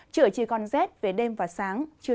trời chỉ còn rét về đêm và sáng